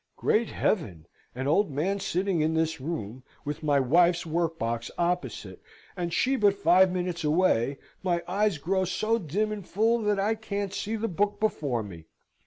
Great Heaven! An old man sitting in this room, with my wife's workbox opposite, and she but five minutes away, my eyes grow so dim and full that I can't see the book before me.